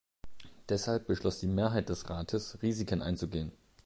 Deshalb beschloß die Mehrheit des Rates, Riskiken einzugehen.